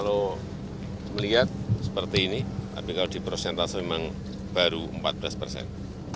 kalau melihat seperti ini tapi kalau di prosentase memang baru empat belas persen